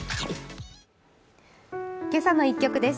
「けさの１曲」です。